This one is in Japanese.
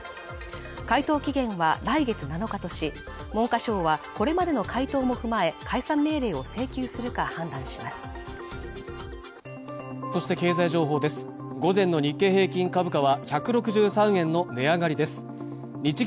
回答期限は来月７日とし文科省はこれまでの回答も踏まえ解散命令を請求するか判断しますうわ！！